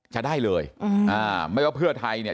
จะได้เลยไม่ว่าเพื่อไทยเนี่ย